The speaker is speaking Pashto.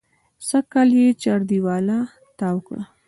سږکال یې چاردېواله تاو کړه.